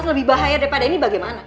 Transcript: lebih bahaya daripada ini bagaimana